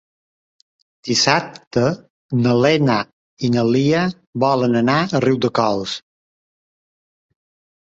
Dissabte na Lena i na Lia volen anar a Riudecols.